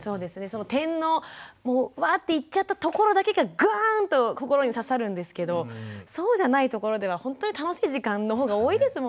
その点のもうワッて言っちゃったところだけがグーンと心に刺さるんですけどそうじゃないところではほんとに楽しい時間のほうが多いですもんね。